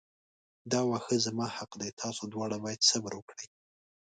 دا واښه زما حق دی تاسو دواړه باید صبر وکړئ.